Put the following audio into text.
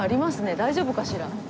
大丈夫かしら？